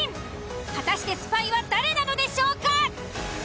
果たしてスパイは誰なのでしょうか？